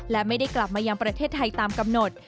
และไม่ได้กลับมายังประเทศไทยตามกำหนด